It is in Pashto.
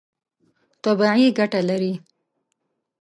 طبیعي ګټه لري.